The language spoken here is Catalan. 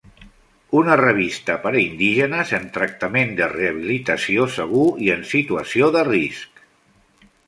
Una revista per a indígenes en tractament de rehabilitació segur i en situació de risc.